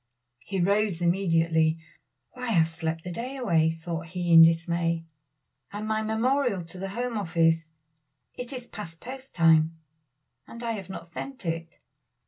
He rose immediately. "Why, I have slept the day away," thought he in dismay, "and my memorial to the Home Office; it is past post time, and I have not sent it."